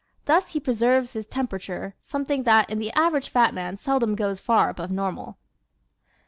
Thus he preserves his temperature, something that in the average fat man seldom goes far above normal.